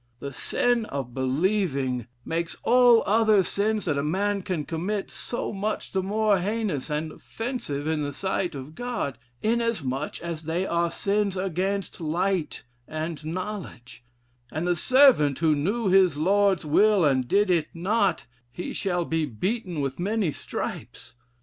The sin of believing makes all other sins that a man can commit so much the more heinous and offensive in the sight of God, inasmuch as they are sins against light and knowledge: and 'the servant who knew his Lord's will, and did it not, he shall be beaten with many stripes.'